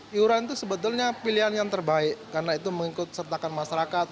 iuran itu sebetulnya pilihan yang terbaik karena itu mengikut sertakan masyarakat